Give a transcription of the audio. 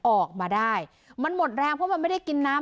ออกมาได้มันหมดแรงเพราะมันไม่ได้กินน้ำ